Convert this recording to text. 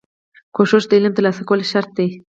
کوښښ د علم ترلاسه کولو شرط دی.